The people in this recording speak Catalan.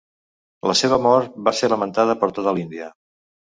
La seva mort va ser lamentada per tota l'Índia.